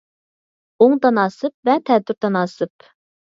ئوڭ تاناسىپ ۋە تەتۈر تاناسىپ